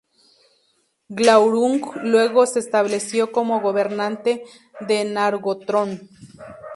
Glaurung luego se estableció como gobernante de Nargothrond.